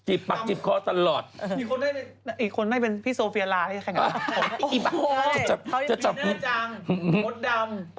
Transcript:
จิบปักจิบคอตตั้งแล้ว